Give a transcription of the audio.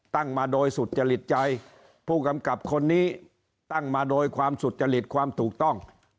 มาโดยสุจริตใจผู้กำกับคนนี้ตั้งมาโดยความสุจริตความถูกต้อง